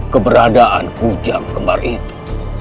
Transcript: keberadaan hujang kembar itu